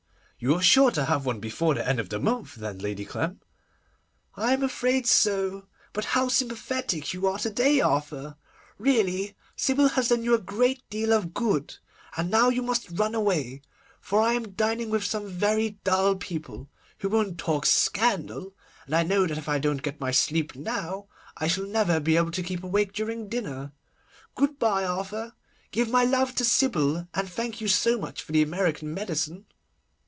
'You are sure to have one before the end of the month then, Lady Clem?' 'I am afraid so. But how sympathetic you are to day, Arthur! Really, Sybil has done you a great deal of good. And now you must run away, for I am dining with some very dull people, who won't talk scandal, and I know that if I don't get my sleep now I shall never be able to keep awake during dinner. Good bye, Arthur, give my love to Sybil, and thank you so much for the American medicine.